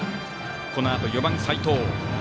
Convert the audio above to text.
このあと４番、齋藤。